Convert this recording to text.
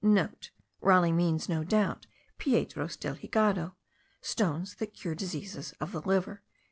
(Raleigh means, no doubt, piedros del higado, stones that cure diseases of the liver.)